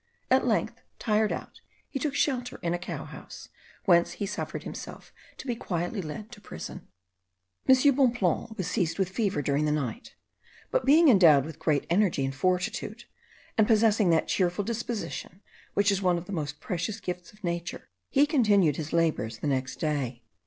At length, tired out, he took shelter in a cow house, whence he suffered himself to be quietly led to prison. M. Bonpland was seized with fever during the night; but being endowed with great energy and fortitude, and possessing that cheerful disposition which is one of the most precious gifts of nature, he continued his labours the next day.